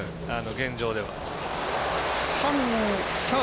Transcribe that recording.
現状では。